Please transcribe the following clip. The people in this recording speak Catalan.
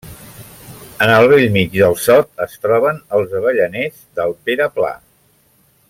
En el bell mig del sot es troben els Avellaners del Pere Pla.